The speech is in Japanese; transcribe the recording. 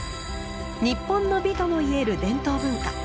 日本の美ともいえる伝統文化。